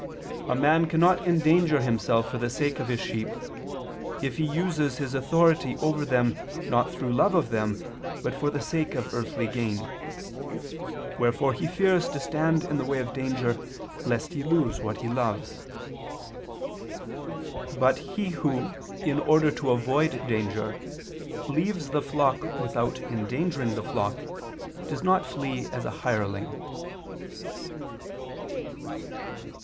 "A man cannot endanger himself for the sake of his sheep, if he uses his authority over them not through love of them but for the sake of earthly gain: wherefore he fears to stand in the way of danger lest he lose what he loves." But he who, in order to avoid danger, leaves the flock without endangering the flock, does not flee as a hireling.